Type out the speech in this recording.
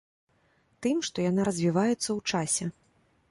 Тым, што яна развіваецца ў часе.